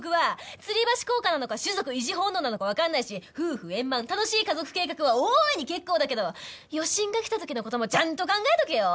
つり橋効果なのか種族維持本能なのかわかんないし夫婦円満楽しい家族計画は大いに結構だけど余震が来た時の事もちゃんと考えとけよ！